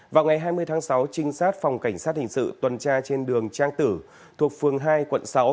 vào ngày hai mươi tháng sáu trinh sát phòng cảnh sát hình sự tuần tra trên đường trang tử thuộc phường hai quận sáu